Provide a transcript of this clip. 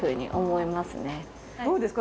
どうですか？